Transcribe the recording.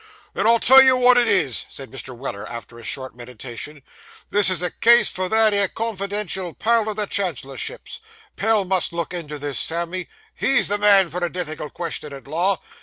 'Then I'll tell you wot it is,' said Mr. Weller, after a short meditation, 'this is a case for that 'ere confidential pal o' the Chancellorship's. Pell must look into this, Sammy. He's the man for a difficult question at law.